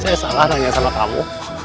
saya salah nanya sama kamu